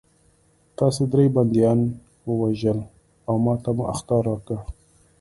تاسې درې بندیان ووژل او ماته مو اخطار راکړ